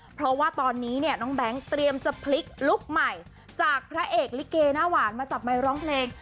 เพราะว่าตอนนี้เนี่ยน้องแบงค์เตรียมจะพลิกลุคใหม่จากพระเอกลิเกหน้าหวานมาจับไมค์ร้องเพลง